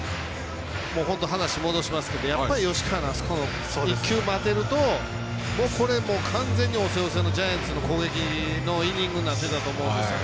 話を戻しますけど吉川が１球、待てるとこれも完全に押せ押せのジャイアンツの攻撃のイニングになってたと思うんですよね。